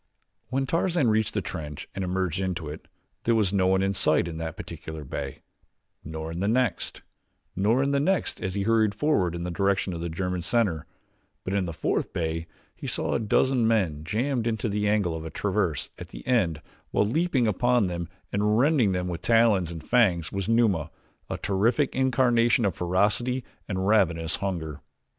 When Tarzan reached the trench and emerged into it there was no one in sight in that particular bay, nor in the next, nor the next as he hurried forward in the direction of the German center; but in the fourth bay he saw a dozen men jammed in the angle of the traverse at the end while leaping upon them and rending with talons and fangs was Numa, a terrific incarnation of ferocity and ravenous hunger.